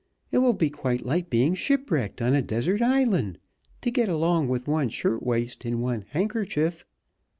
It will be quite like being shipwrecked on a desert island, to get along with one shirt waist and one handkerchief."